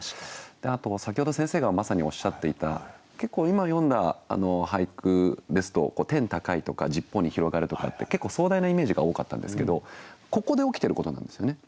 あと先ほど先生がまさにおっしゃっていた結構今読んだ俳句ですと「天高い」とか「十方に広がる」とかって結構壮大なイメージが多かったんですけどここで起きてる事なんですよね。